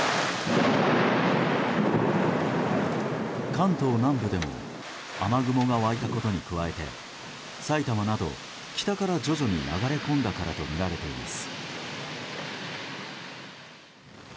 関東南部でも雨雲が湧いたことに加えて埼玉など北から徐々に流れ込んだからとみられています。